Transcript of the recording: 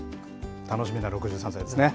楽しみな６３歳ですね。